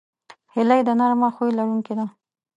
هیلۍ د نرمه خوی لرونکې ده